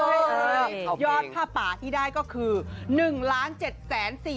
ยอดผ้าป่าที่ได้ก็คือ๑๗๔๒๘๒๖บาท